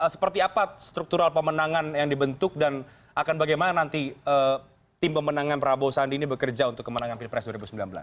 seperti apa struktural pemenangan yang dibentuk dan akan bagaimana nanti tim pemenangan prabowo sandi ini bekerja untuk kemenangan pilpres dua ribu sembilan belas